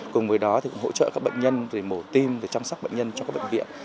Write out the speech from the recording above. cùng với đó thì cũng hỗ trợ các bệnh nhân mổ tim chăm sóc bệnh nhân trong các bệnh viện